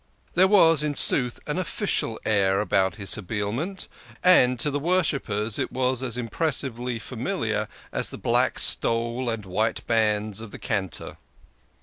There was, in sooth, an official air about his habiliment, and to the worshippers it was as impressively familiar as the black stole and white bands of the Cantor.